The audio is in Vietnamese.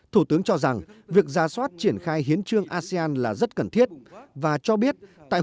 thủ tướng cho rằng việc ra soát triển khai hiến trương asean là rất cần thiết và cho biết tại